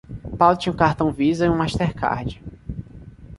Paulo tinha um cartão Visa e um Mastercard.